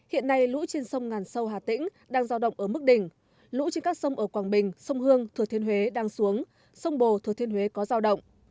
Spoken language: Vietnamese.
hiện nay lũ trên sông ngàn sâu hà tĩnh đang giao động ở mức đỉnh lũ trên các sông ở quảng bình sông hương thừa thiên huế đang xuống sông bồ thừa thiên huế có giao động